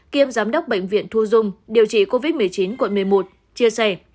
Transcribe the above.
kiêm giám đốc bệnh viện thu dung điều trị covid một mươi chín quận một mươi một chia sẻ